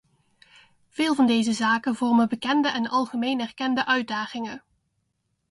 Veel van deze zaken vormen bekende en algemeen erkende uitdagingen.